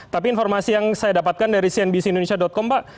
tapi informasi yang saya dapatkan dari cnbcindonesia com pak